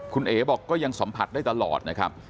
คุณเอ๋บอกก็ยังสัมผัสได้ตลอดนะครับ